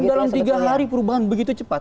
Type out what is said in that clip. iya jadi dalam tiga hari perubahan begitu cepat